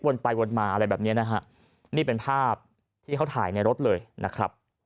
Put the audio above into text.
ไปวนมาอะไรแบบเนี้ยนะฮะนี่เป็นภาพที่เขาถ่ายในรถเลยนะครับ